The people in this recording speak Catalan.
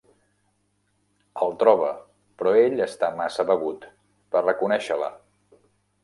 El troba, però ell està massa begut per reconèixer-la.